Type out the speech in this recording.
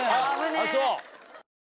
あぁそう。